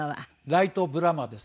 ライトブラマです。